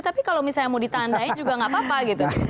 tapi kalau misalnya mau ditandai juga nggak apa apa gitu